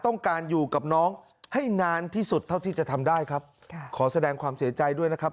ต้องการอยู่กับน้องให้นานที่สุดเท่าที่จะทำได้ครับค่ะขอแสดงความเสียใจด้วยนะครับ